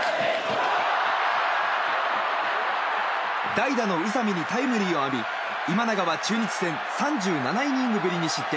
代打の宇佐見にタイムリーを浴び今永は中日戦３７イニングぶりに失点。